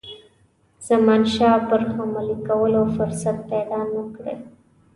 زمانشاه پر حملې کولو فرصت پیدا نه کړي.